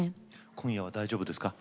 今夜は大丈夫ですか？